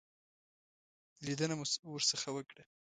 لیدنه مو ورڅخه وکړه.